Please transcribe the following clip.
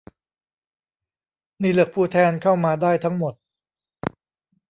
ที่เลือกผู้แทนเข้ามาได้ทั้งหมด